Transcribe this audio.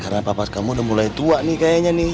karena papa kamu udah mulai tua nih kayaknya nih